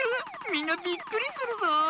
みんなびっくりするぞ。